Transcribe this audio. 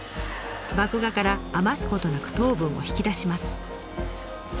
麦芽から余すことなく糖分を引き出します。